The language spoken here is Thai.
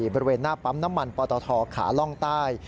บริเวณหน้าปั๊มน้ำมันปตทขาล่องใต้